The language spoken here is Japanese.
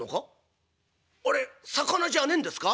「あれ魚じゃねえんですか？」。